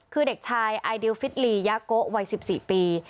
คือเด็กชายไอดิวฟิตลียาโกะวัย๑๔ปี